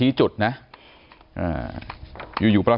ที่มีข่าวเรื่องน้องหายตัว